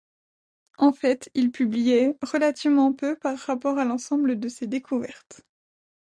En fait il publiait relativement peu par rapport à l'ensemble de ses découvertes.